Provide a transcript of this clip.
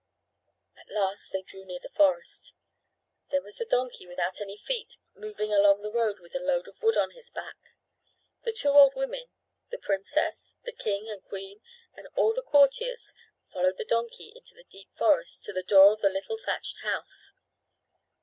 At last they drew near the forest. There was the donkey without any feet moving along the road with a load of wood on his back. The two old women, the princess, the king and queen and all the courtiers followed the donkey into the deep forest to the door of the little thatched house.